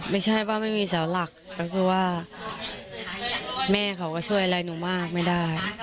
ไม่ใช่ว่าไม่มีเสาหลักก็คือว่าแม่เขาก็ช่วยอะไรหนูมากไม่ได้